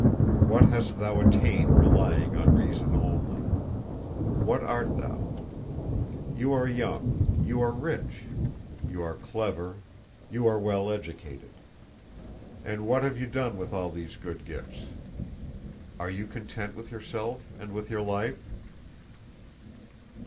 What hast thou attained relying on reason only? What art thou? You are young, you are rich, you are clever, you are well educated. And what have you done with all these good gifts? Are you content with yourself and with your life?"